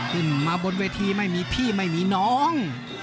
ขึ้นมาบนเวทีไม่มีพี่ไม่มีน้อง